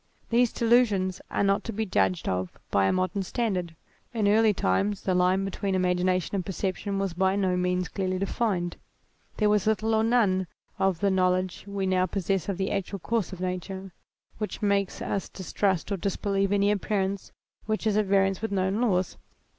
These delusions are not to be judged of by a modem standard : in early times the line be tween imagination and perception was by no means clearly defined ; there was little or none of the know ledge we now possess of the actual course of nature, which makes us distrust or disbelieve any appearance which is at variance with known laws.